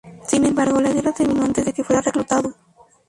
Sin embargo, la guerra terminó antes de que fuera reclutado.